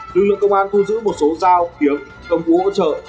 dư luận công an thu giữ một số dao kiếm công cụ hỗ trợ